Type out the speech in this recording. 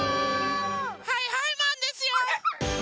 はいはいマンですよ！